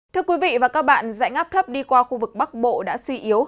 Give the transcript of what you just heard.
thưa quý vị và các bạn dãy ngáp thấp đi qua khu vực bắc bộ đã suy yếu